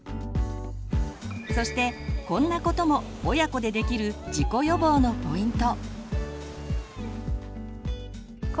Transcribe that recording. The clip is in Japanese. そしてこんなことも親子でできる事故予防のポイント。